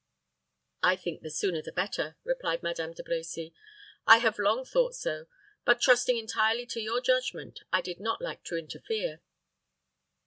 "I think the sooner the better," replied Madame De Brecy. "I have long thought so; but trusting entirely to your judgment, I did not like to interfere."